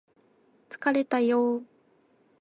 疲れたよ